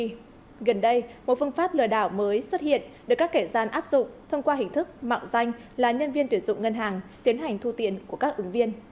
gần đây một phương pháp lừa đảo mới xuất hiện được các kẻ gian áp dụng thông qua hình thức mạo danh là nhân viên tuyển dụng ngân hàng tiến hành thu tiền của các ứng viên